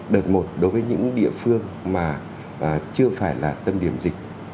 đợt một đối với những địa phương mà chưa phải là tâm điểm dịch